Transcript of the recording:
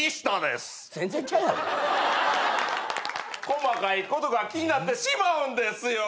細かいことが気になってしまうんですよ。